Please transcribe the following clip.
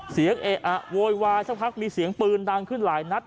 เอะอะโวยวายสักพักมีเสียงปืนดังขึ้นหลายนัด